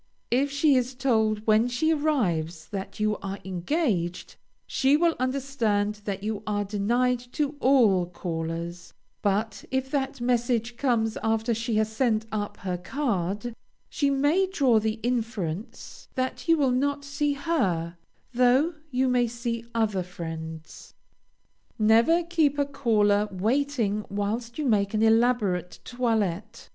If she is told when she arrives that you are engaged, she will understand that you are denied to all callers, but if that message comes after she has sent up her card, she may draw the inference that you will not see her, though you may see other friends. Never keep a caller waiting whilst you make an elaborate toilette.